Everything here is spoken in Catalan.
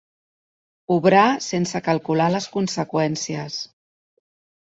Obrar sense calcular les conseqüències.